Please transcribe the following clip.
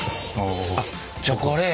あっチョコレート。